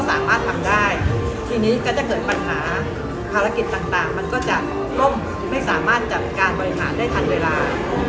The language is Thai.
แต่ทีนี้ก็จะเกิดปัญหาภารกิจต่างมันก็จะล่มไม่สามารถจัดการบริการได้ทันเวลา